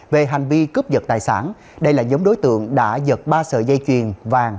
về hành vi cướp giật tài sản đây là giống đối tượng đã giật ba sợi dây chuyền vàng